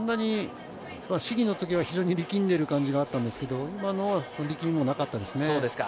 試技のときは非常に力んでいる感じがあったんですけれども今のは力みもなかったですね。